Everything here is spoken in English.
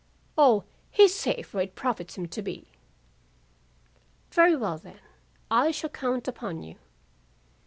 "O, he's safe where it profits him to be." "Very well, then, I shall count upon you."